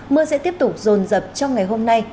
mưa sẽ tiếp tục rồn rập trong ngày hôm nay